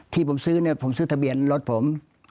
ที่ผมซื้อเนี่ยผมซื้อทะเบียนรถผม